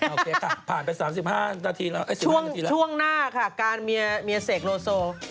โอเคค่ะผ่านไป๓๕นาทีแล้วช่วงหน้าค่ะการเมียเสกโลโซ